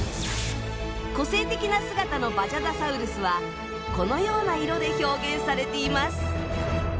個性的な姿のバジャダサウルスはこのような色で表現されています。